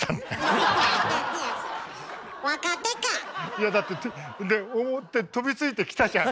いやだって「おっ」て飛びついてきたじゃん。